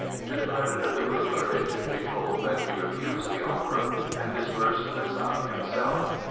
To the credit of the ruler it should be told that he refused the offer and disbursed the sum himself.